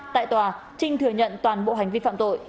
tại tòa trinh thừa nhận toàn bộ hành vi phạm tội